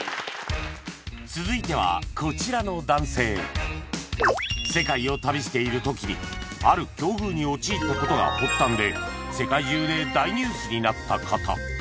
続いてはこちらの男性世界を旅している時にある境遇に陥ったことが発端で世界中で大ニュースになった方